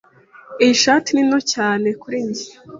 Iyi shati ni nto cyane kuri njye.